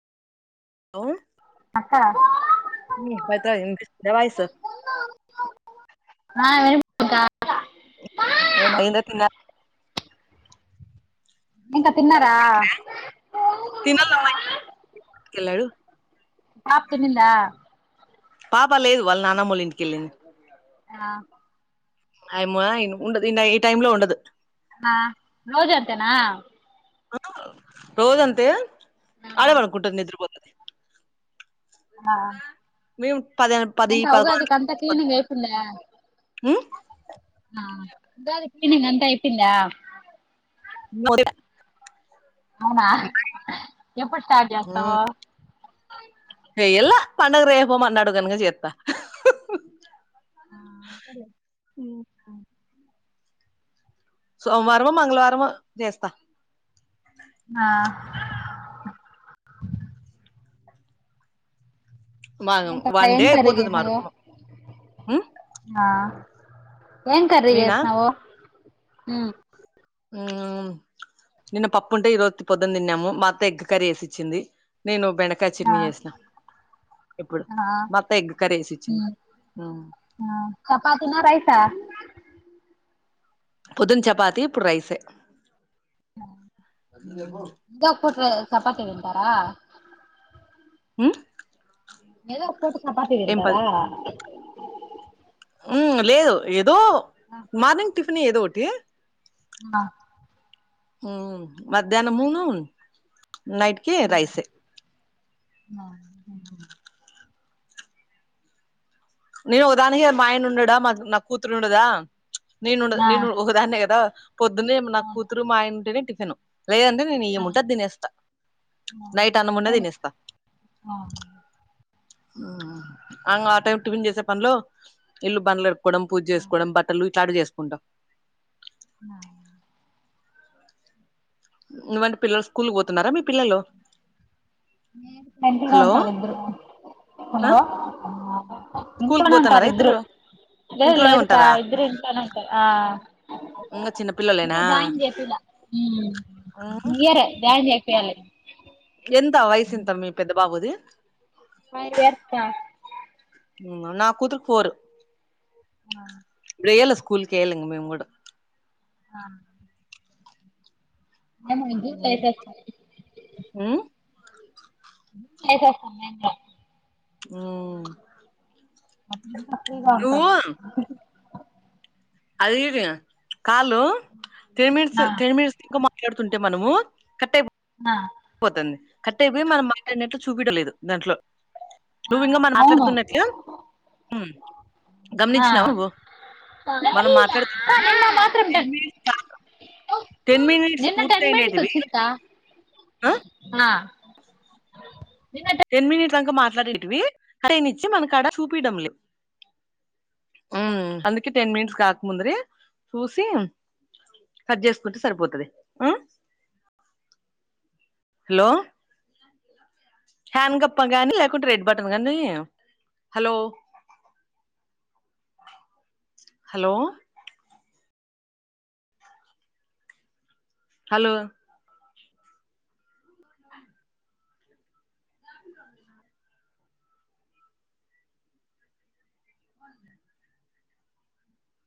Hello అక్క హ్మ్ [unintelligible] ధాబాఇస్తా ఆ ఏం పోతా ఏమ్మా ఇంకా తిన్నారా ఇంకా తిన్నారా వెళ్ళాడు పాప తినిందా పాప లేదు వాళ్ళ నాన్నమ్మ వాళ్ళ ఇంటికెళ్ళింది ఆ ఆయమ్మ ఉండదు ఈ టైమ్ లో ఉండదు ఆ రోజ అంతేనా రోజు అంతే అదే పండుకుంటది నిద్రపోతది ఆ మేం నంకా ఉగాదికి అంత క్లీనింగ్ అయితుందా ఉమ్ క్లీనింగ్ అంతా అయిపోయిందా నోడట అవునా ఎప్పుడు స్టార్ట్ చెత్తవు చెయ్యల్ల పండుగ రెపో మనడో అనగా చేత్త ఆ అంతలే అవు సోమవారమో మంగళవారమో చేస్తా ఆ మాగ ఏంటక్కా వన్ డే ఎం కర్రీ అయిపోతది మారు చేశావు ఉమ్ ఆ ఏం కర్రీ నేనా చేస్నావు హ్మ్ నిన్న పప్పు ఉంటే ఈరోజు త పొద్దునా తిన్నాము మా అత్త ఎగ్ కర్రీ ఎసిచ్చింది నేను బెండకాయ ఆ చట్నీ చేసిన ఇప్పుడు ఆ మా అత్త ఎగ్ కర్రీ వేసి ఇచ్చింది హ్మ్ ఆ చపాతి నా రైసా పొద్దున్న చపాతి ఇప్పుడు రైసే ఇది కాకపోతే చపాతి తింటారా హ్మ్ ఎదో ఓ పూట చపాతి తింటారా హ్మ్ లేదు ఎ దో మార్నింగ్ టిఫిన్ ఏదో ఒకటి మ్మా హ్మ్ మధ్యానమును నైట్ కి రైసే నా ఉ నేను ఓదానికి మా ఆయన ఉండడా మా నా కూతురు ఉండద నేను ఆ నేను ఒకదాన్నే కదా పొద్దునే నా ఆ, కూతురు మా ఇంటిని టిఫిన్ లేదంటే నేను ఆ, ఏముంటే ఆది తినేస్తా ఆ, నైట్ అన్నం ఉన్న అంతేలే తినేస్తా ఆ అంగ ఆ టైం టిఫిన్ చేసే పనిలో ఇల్లు బం లె కోడం పూజ చేసుకోడం బట్టలు ఇట్లాడివి చేసు వంట ఆ నువ్వండ్ పిల్లలు స్కూల్ పోతున్నారా మీ పిల్లలు నేన్ [unintelligible] హలో ఉంటా రెండ్రోలు ఆ హలో స్కూల్ కు ఇంట్లోనే ఉంటారు పోతున్నారా ఇద్దురు ఇద్దరు లేదు ఇంట్లోనే లేదు కా ఉంటారా ఇద్దురు ఇంట్లోనే ఉంటారు ఆ ఇంగ చిన్న ఇంకా పిల్లలేనా జాయిన్ జేపిలా ఉమ్, నియర్ జాయిన్ జే క్యాలే ఎంత వయసు ఇంత మీ పెద్ద బాబుది ఫైవ్ ఇయర్స్ కా నా కుదురుపోరు ఆ వేయ్యల్ల స్కూల్ కి వేయాళ ఇంగ మేము గూడ ఆ ఏమైంది ఉమ్ చేసేస్తాను యేం ల్య మ్మ్ అప్పుడు ఇంకా ఫ్రీగా ఉంటది అది ఈజిగ కాల్లు టేమీస్ ఆ టేమీన్స్ ఇంక మా ట్లాడుతుంటే మనము కట్ అయి ఆ పోతుంది కరెక్ట్ అయిపోయి మనం మాట్లాడినట్లు చుపిడం లేధు దాంట్లో ఆ నుూంగా మం అవును మాట్లాడుతున్నట్లు హ్మ్ ఆ గమనించినావు నువ్వు ఆ, మనం మాట్లాడుతున్నా నిన్న మాత్రం టెన్ టెన్ మినిట్స్ నిన్న టెన్ మినిట్స్ పూర్తయిండదివి వచ్చిందికా ఆ ఆ నిన్న టెన్ మినిట్స్ ఇప్పుడుదాంక మాట్లాడేటివి అదేని ఇచ్చి మనకాడ చూపియడం లే, మ్మ్ అందుకే టెన్ మినిట్స్ కాకముందరే చూసి కట్ జేసుకుంటే సరిపోతది. హలో హ్యాన్ గప్ప గానీ లేకుంటే రెడ్ బటన్ గానీ హలో హలో అ